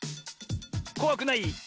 こわくない？